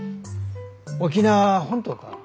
沖縄は本島か？